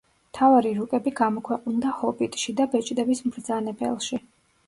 მთავარი რუკები გამოქვეყნდა „ჰობიტში“ და „ბეჭდების მბრძანებელში“.